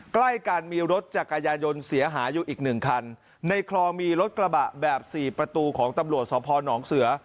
ใกล้กันมีรถจักรยายนต์เสียหายอยู่อีกหนึ่งคันในคลองมีรถกระบะแบบสี่ประตูของตำรวจสพนเสือ